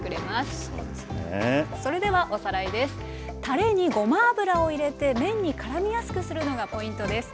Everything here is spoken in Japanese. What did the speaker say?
たれにごま油を入れて麺にからみやすくするのがポイントです。